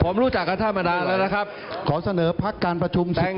ผมรู้จักกับท่านมานานแล้วนะครับขอเสนอพักการประชุมแทง